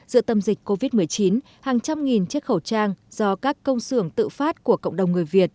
giữa tâm dịch covid một mươi chín hàng trăm nghìn chiếc khẩu trang do các công sưởng tự phát của cộng đồng người việt